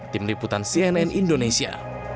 tim liputan cnn indonesia